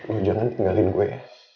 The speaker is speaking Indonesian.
lo jangan tinggalin gue